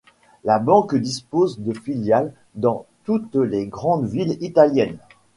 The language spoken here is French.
La banque dispose de filiales dans toutes les grandes villes italiennes.